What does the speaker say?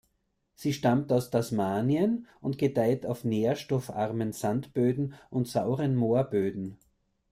Sie stammt aus Tasmanien und gedeiht auf nährstoffarmen Sandböden und sauren Moorböden.